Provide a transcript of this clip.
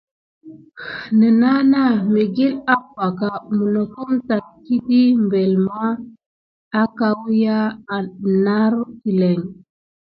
Nenana mikile apaka munokum tate kidi belma akawuya naour kilen.